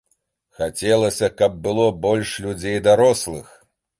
Хацелася, каб было больш людзей дарослых.